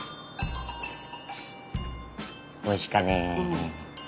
おいしかね。